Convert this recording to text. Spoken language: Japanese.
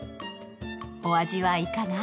お味はいかが？